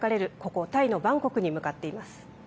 ここタイのバンコクに向かっています。